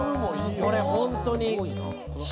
これ本当に。